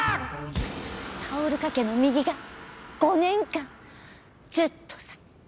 タオル掛けの右が５年間ずっと下がっ。